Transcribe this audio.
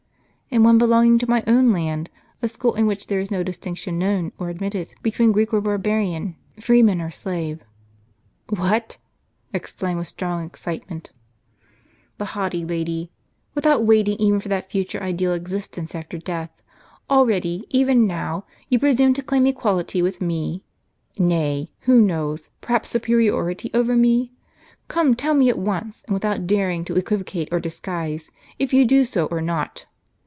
" In one belonging to my own land ; a school in which there is no distinction known, or admitted, between Greek or barbarian, freeman or slave." "What! " exclaimed, with strong excitement, the haughty lady, "without waiting even for that future ideal existence after death ; already, even now, you presume to claim equality with me? Nay, who knows, perhaps superiority ovei' me. Come, tell me at once, and without daring to equivocate or disguise, if you do so or not?